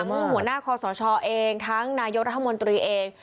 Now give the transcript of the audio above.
หัวหน้าคอสชเองทั้งนายโยครัฐมนตรีเอง